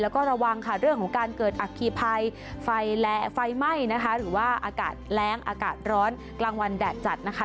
แล้วก็ระวังค่ะเรื่องของการเกิดอัคคีภัยไฟไหม้นะคะหรือว่าอากาศแร้งอากาศร้อนกลางวันแดดจัดนะคะ